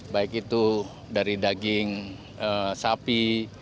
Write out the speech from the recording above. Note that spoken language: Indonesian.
baik itu dari daging sapi